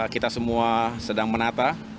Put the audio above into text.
kita semua sedang menata